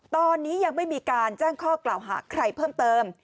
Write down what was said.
ตอนนี้ยังไม่มีการแจ้งข้อกล่าวหาใครเพิ่มเติม